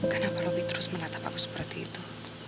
kenapa roby terus menatap aku seperti itu